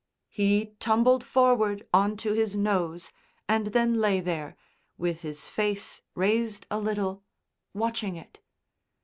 He tumbled forward on to his nose and then lay there, with his face raised a little, watching it.